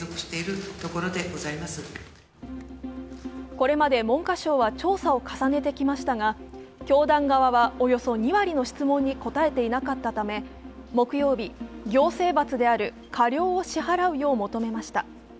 これまで文科省は調査を重ねてきましたが教団側はおよそ２割の質問に答えていなかったため、木曜日、行政罰である過料を支払うよう求めました。